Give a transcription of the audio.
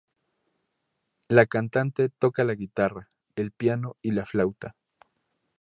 La cantante toca la guitarra, el piano y la flauta.